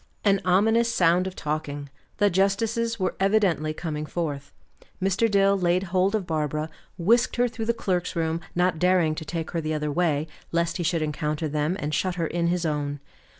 An ominous sound of talking; the justices were evidently coming forth. Mr. Dill laid hold of Barbara, whisked her through the clerks' room, not daring to take her the other way, lest he should encounter them, and shut her in his own.